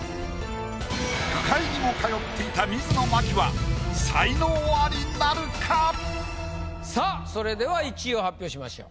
句会にも通っていた水野真紀はさあそれでは１位を発表しましょう。